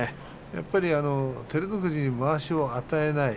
やっぱり照ノ富士にまわしを与えない。